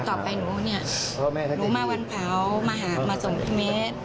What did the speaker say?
ต่อไปหนูเนี่ยหนูมาวันเผามาส่งพี่เมฆ